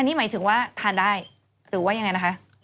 นี่หมายถึงว่าทานได้หรือว่ายังไงนะคะ